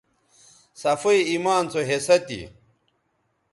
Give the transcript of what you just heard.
صفائ ایمان سو حصہ تھی